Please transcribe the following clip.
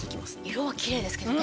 色はきれいですけどね